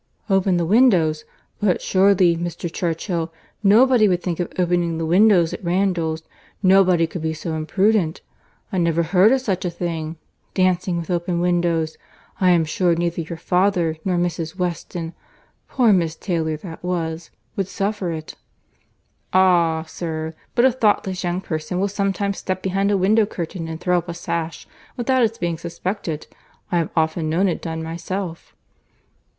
"Open the windows!—but surely, Mr. Churchill, nobody would think of opening the windows at Randalls. Nobody could be so imprudent! I never heard of such a thing. Dancing with open windows!—I am sure, neither your father nor Mrs. Weston (poor Miss Taylor that was) would suffer it." "Ah! sir—but a thoughtless young person will sometimes step behind a window curtain, and throw up a sash, without its being suspected. I have often known it done myself."